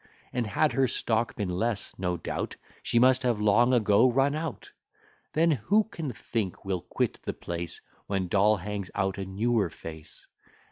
And had her stock been less, no doubt She must have long ago run out. Then, who can think we'll quit the place, When Doll hangs out a newer face?